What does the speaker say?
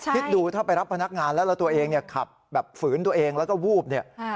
คิดดูถ้าไปรับพนักงานแล้วแล้วตัวเองเนี่ยขับแบบฝืนตัวเองแล้วก็วูบเนี่ย